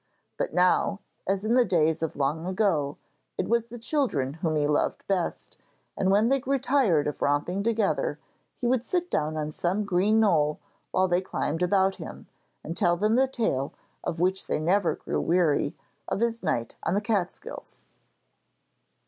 But now, as in the days of long ago, it was the children whom he loved best, and when they grew tired of romping together, he would sit down on some green knoll while they climbed about him, and tell them the tale, of which they never grew weary, of his night on the Catskills.